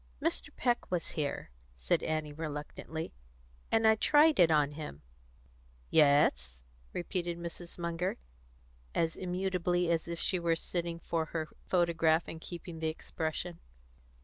"Mr. Peck was here," said Annie reluctantly, "and I tried it on him." "Yes?" repeated Mrs. Munger, as immutably as if she were sitting for her photograph and keeping the expression.